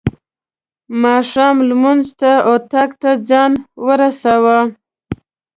ماښام لمونځ ته اطاق ته ځان ورساوه.